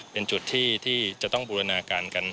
เป็นจุดที่จะต้องบูรณาการกัน